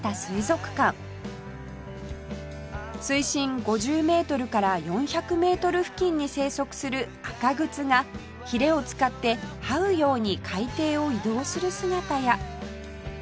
水深５０メートルから４００メートル付近に生息するアカグツがヒレを使ってはうように海底を移動する姿や